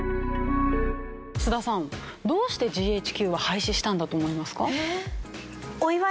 須田さんどうしてＧＨＱは廃止したんだと思いますか？